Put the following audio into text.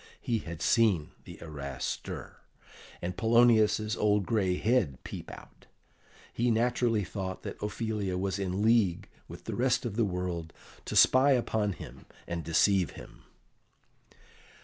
He had seen the arras stir, and Polonius's old gray head peep out; he naturally thought that Ophelia was in league with the rest of the world to spy upon him and deceive him.